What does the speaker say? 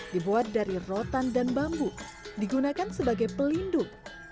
dibuat dari rotan dan bambu digunakan sebagai pelindung